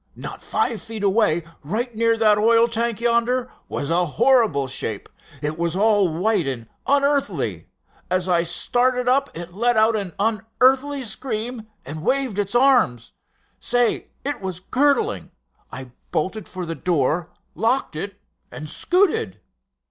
Not five feet away, right near that oil tank yonder, was a horrible shape. It was all white and unearthly. As I started up it let out an unearthly scream and waved its arms. Say, it was curdling! I bolted for the door, locked it, and scooted."